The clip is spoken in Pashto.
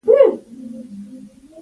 د خوښۍ او خوشالۍ حق یې هم خوندي دی.